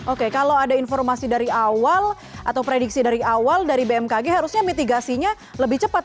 oke kalau ada informasi dari awal atau prediksi dari awal dari bmkg harusnya mitigasinya lebih cepat